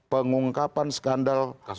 pengungkapan skandal kejahatan